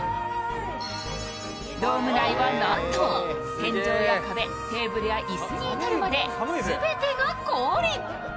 ドーム内はなんと、天井や壁テーブルや椅子に至るまで全てが氷。